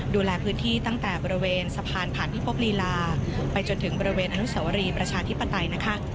ดูแลพื้นที่ตั้งแต่บริเวณสะพานผ่านพิภพลีลาไปจนถึงบริเวณอนุสวรีประชาธิปไตยนะคะ